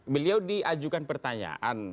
beliau diajukan pertanyaan